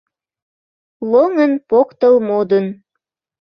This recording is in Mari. Лоҥын, поктыл, модын.